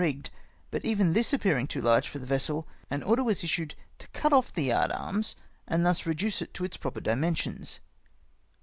rigged, but even this appearing too large for the vessel, an order was issued to cut off the yard arms and thus reduce it to its proper dimensions.